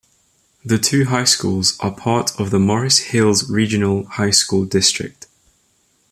The two high schools are part of the Morris Hills Regional High School District.